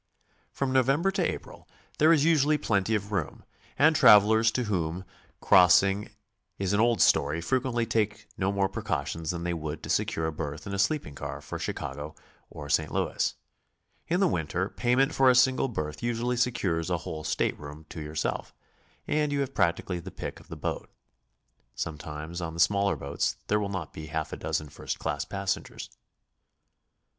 From November to April there is usually plenty of room, and travelers to whom crossing is an old story fre quently take no more precautions than they would to secure a berth in a sleeping car for Chicago or St. Louis. In the winter, payment for a single berth usually secures a whole stateroom to yourself, and you have practically the pick of the boat. Sometimes on the smaller boats there will not be half a dozen first cabin passengers.